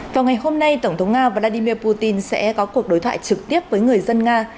vào ngày hôm nay tổng thống nga vladimir putin sẽ có cuộc đối thoại trực tiếp với người dân nga